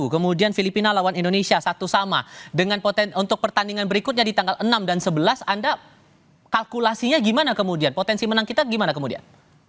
kemudian filipina lawan indonesia satu sama untuk pertandingan berikutnya di tanggal enam dan sebelas anda kalkulasinya gimana kemudian potensi menang kita gimana kemudian